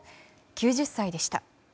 ９０歳でした。